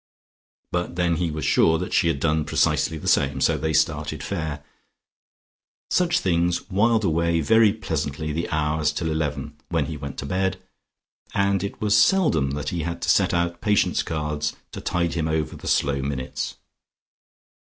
But then he was sure that she had done precisely the same, so they started fair. Such things whiled away very pleasantly the hours till eleven, when he went to bed, and it was seldom that he had to set out Patience cards to tide him over the slow minutes.